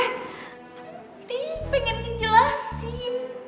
penting pengen dijelasin